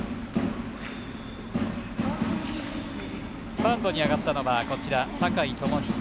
マウンドに上がったのは酒居知史。